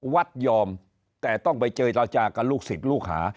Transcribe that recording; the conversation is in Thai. วัดยอมแต่ต้องไปเจรจากับลูกศิษย์ลูกหา